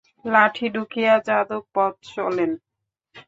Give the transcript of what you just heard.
লাঠি ঠুকিয়া যাদব পথ চলেন।